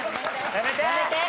やめて。